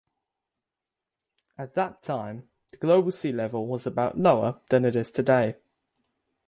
At that time the global sea level was about lower than it is today.